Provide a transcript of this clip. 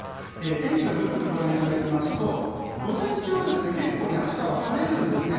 天気の分布図ご覧いただきますと午前中は結構明日は晴れるんですね。